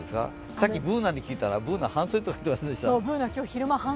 さっきＢｏｏｎａに聞いたらＢｏｏｎａ、半袖って言ってました。